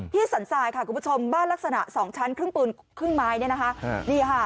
ที่สรรจายบ้านลักษณะสองชั้นครึ่งปืนครึ่งไม้